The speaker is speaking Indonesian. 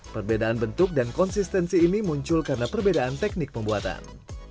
perbedaan bentuk dan konsistensi ini muncul karena perbedaan teknik pembuatan